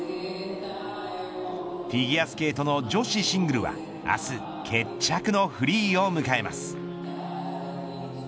フィギュアスケートの女子シングルは明日決着のフリーを迎えます。